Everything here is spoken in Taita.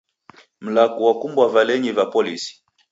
Mlaku wakumbwa valenyi va polisi